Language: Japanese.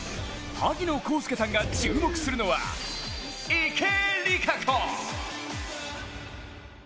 萩野公介さんが注目するのは池江璃花子。